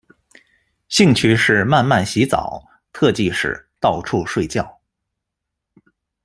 兴趣是慢慢洗澡，特技是到处睡觉。